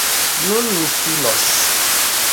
Nun ni finos.